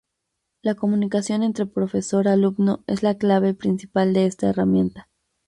La comunicación entre profesor-alumno es la clave principal de esta herramienta.